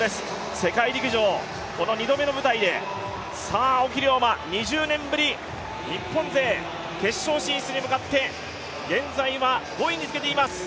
世界陸上、この２度目の舞台で青木涼真、２０年ぶり、日本勢、決勝進出に向かって、現在は５位につけています。